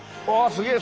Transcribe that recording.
すげえ！